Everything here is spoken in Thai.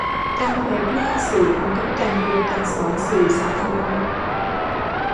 การเผยแพร่สื่อบันทึกการเรียนการสอนสู่สาธารณะ